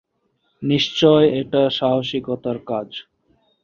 নিশ্চয় এটা সাহসিকতার কাজ।